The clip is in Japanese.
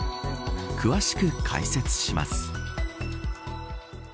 詳しく解説します。